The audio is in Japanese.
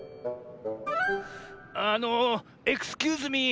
あのエクスキューズミー。